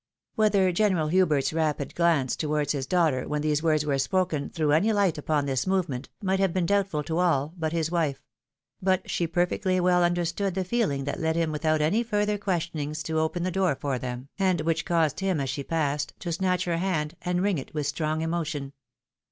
Whether General Hubert's rapid glance towards his daugh ter, when these words were spoken, threw any light upon this movement, might have been doubtful to all but his wife ; but she perfectly well understood the feehng that led him without any further questionings to open the door for them, and which caused him, as she passed, to snatch her hand, and wring it with strong emotion.